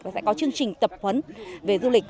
và sẽ có chương trình tập huấn về du lịch